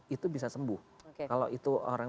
itu bisa sembuh kalau itu orang